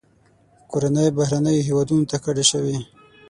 کورنۍ بهرنیو هیوادونو ته کډه شوې.